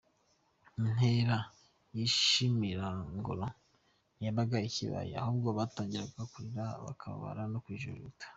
Inkera y’ishimarongora ntiyabaga ikibaye , ahubwo batangiraga kurira , kubabara no kwijujuta.